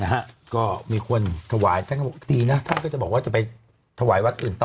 ก็มีคนถวายท่านก็บอกดีนะท่านก็จะบอกว่าจะไปถวายวัดอื่นต่อ